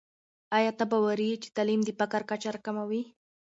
آیا ته باوري یې چې تعلیم د فقر کچه راکموي؟